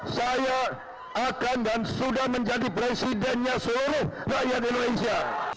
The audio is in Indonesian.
saya akan dan sudah menjadi presidennya seluruh rakyat indonesia